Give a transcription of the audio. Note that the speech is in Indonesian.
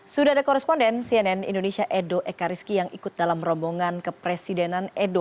sudah ada koresponden cnn indonesia edo ekariski yang ikut dalam rombongan ke presidenan edo